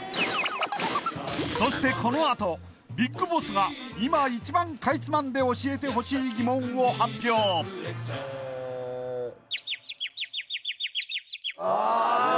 そしてこのあとＢＩＧＢＯＳＳが今一番かいつまんで教えてほしい疑問を発表えああ